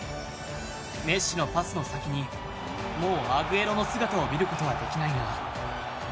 メッシのパスの先にもうアグエロの姿を見ることはできないが。